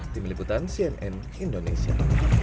tim liputan cnn indonesia